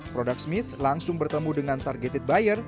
productsmith langsung bertemu dengan targeted buyer